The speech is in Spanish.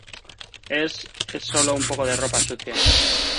es... es solo un poco de ropa sucia.